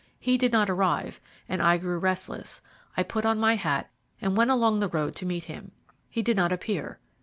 He did not arrive, and I grew restless. I put on my hat, and went along the road to meet him. He did not appear.